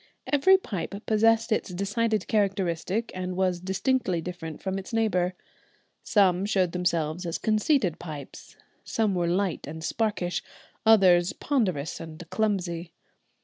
Every pipe possessed its decided characteristic and was distinctly different from its neighbour. Some showed themselves as conceited pipes; some were light and sparkish, others ponderous and clumsy.